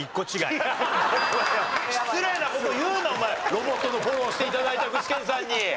ロボットのフォローして頂いた具志堅さんに。